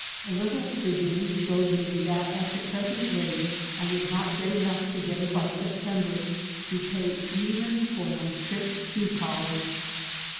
A little figuring showed me that at the present rate I would not get enough together by September to pay even for my trip to college.